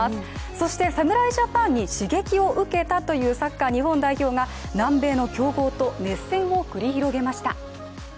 そして侍ジャパンに刺激を受けたというサッカー日本代表が南米の強豪と熱戦を繰り広げました。